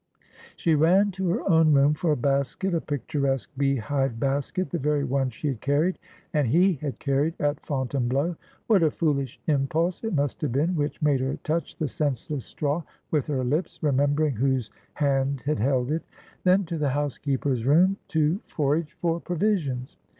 She ran to her own room for a basket, a picturesque beehive basket, the very one she had carried — and he had carried — at Fontainebleau. What a foolish impulse it must have been which made her touch the senseless straw with her lips, remembering whose hand had held it ! Then to the housekeeper's room to forage for provisions.